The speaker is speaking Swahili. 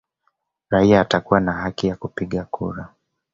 Raia atakuwa na haki ya kupiga kura